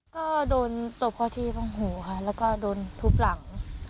ก็โดนตบเขาที่บางหูค่ะแล้วก็โดนทุบหลัง